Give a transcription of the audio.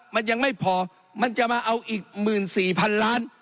มันยังไม่พอมันจะมาเอาอีกหมื่นสี่พันล้าน